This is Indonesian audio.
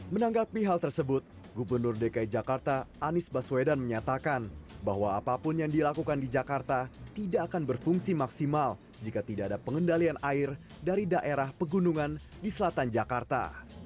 menanggapi hal tersebut gubernur dki jakarta anies baswedan menyatakan bahwa apapun yang dilakukan di jakarta tidak akan berfungsi maksimal jika tidak ada pengendalian air dari daerah pegunungan di selatan jakarta